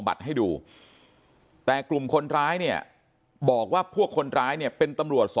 บัตรให้ดูแต่กลุ่มคนร้ายเนี่ยบอกว่าพวกคนร้ายเนี่ยเป็นตำรวจ